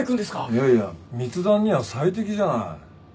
いやいや密談には最適じゃない。